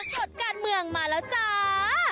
ภาษณะสดการเมืองมาแล้วจ้า